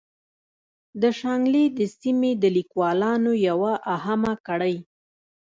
د شانګلې د سيمې د ليکوالانو يوه اهمه کړۍ